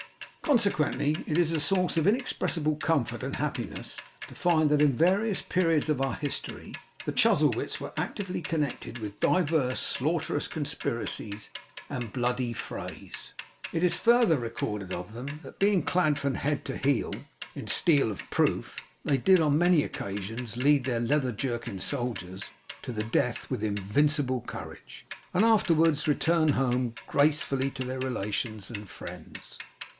Consequently, it is a source of inexpressible comfort and happiness to find, that in various periods of our history, the Chuzzlewits were actively connected with divers slaughterous conspiracies and bloody frays. It is further recorded of them, that being clad from head to heel in steel of proof, they did on many occasions lead their leather jerkined soldiers to the death with invincible courage, and afterwards return home gracefully to their relations and friends.